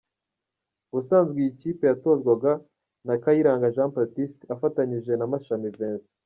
Ubusanzwe iyi kipe yatozwaga na Kayiranga Baptiste afatanyije na Mashami Vincent.